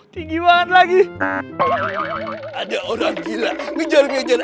tinggi banget lagi ada orang gila menjaga